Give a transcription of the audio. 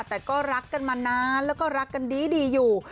แต่ก็รักกันมานานแล้วก็รักกันดีอยู่